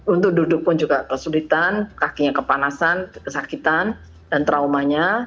untuk duduk pun juga kesulitan kakinya kepanasan kesakitan dan traumanya